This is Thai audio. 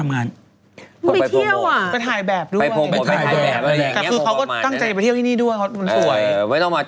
ให้แรกฮะก่อนออกเบรค